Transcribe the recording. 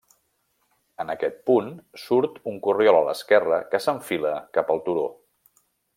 En aquest punt, surt un corriol a l'esquerra que s'enfila cap al turó.